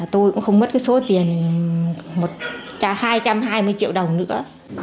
tôi cũng không mất số tiền hai trăm hai mươi triệu đồng nữa